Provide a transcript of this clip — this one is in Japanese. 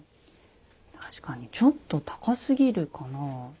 確かにちょっと高すぎるかな。